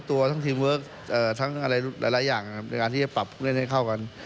ตัวทั้งทีมเวิร์คทั้งอะไรหลายอย่างในการที่จะปรับเล่นให้เข้ากัน